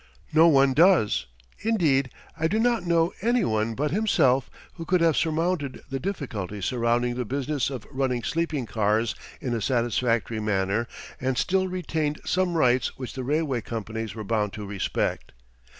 No one does. Indeed, I do not know any one but himself who could have surmounted the difficulties surrounding the business of running sleeping cars in a satisfactory manner and still retained some rights which the railway companies were bound to respect.